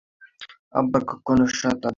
আবার কখনো শতাধিক শিক্ষক সমবেত করা হয়।